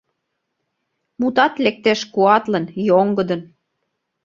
Мутат лектеш куатлын, йоҥгыдын.